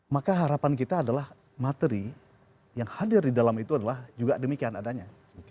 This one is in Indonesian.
maka harapan kita adalah materi yang hadir di dalam itu adalah juga demikian adanya